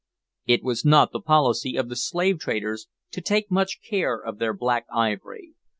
It was not the policy of the slave traders to take much care of their Black Ivory.